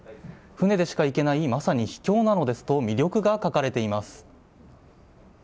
船でしか行けないまさに秘境ですと魅力が書かれています。